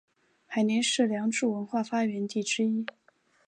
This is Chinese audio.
海宁是良渚文化发源地之一。